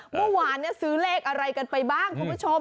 เมื่อวานซื้อเลขอะไรกันไปบ้างคุณผู้ชม